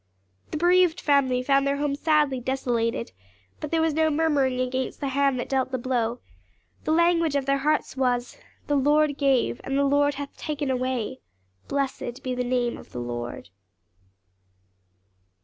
The bereaved family found their home sadly desolated, but there was no murmuring against the Hand that dealt the blow; the language of their hearts was, "The Lord gave, and the Lord hath taken away; blessed be the name of the Lord."